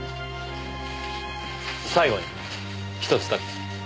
最後に１つだけ。